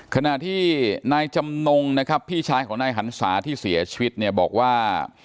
ขณะที่นายจำนงพี่ชายของนายหันษาที่เสียชีพบอกว่า